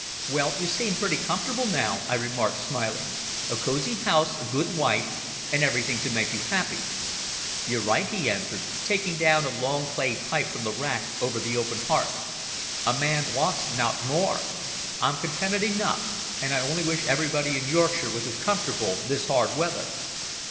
"Well, you seem pretty comfortable now," I remarked, smiling, "a cosy house, a good wife, and everything to make you happy." "You're right," he answered, taking down a long clay pipe from the rack over the open hearth. "A man wants nowt more. I'm contented enough and I only wish everybody in Yorkshire was as comfortable this hard weather."